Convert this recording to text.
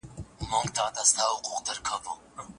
ته واستاوه او ډير وخت یې ورسره تېر کړ. هغه مسعود